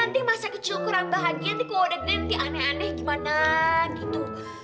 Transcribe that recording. nanti masa kecil kurang bahagia nanti kalau udah gede nanti aneh aneh gimana gitu